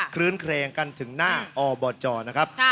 ลื้นเครงกันถึงหน้าอบจนะครับ